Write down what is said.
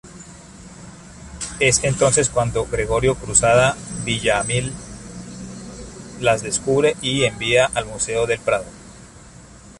Es entonces cuando Gregorio Cruzada Villaamil las descubre y envía al Museo del Prado.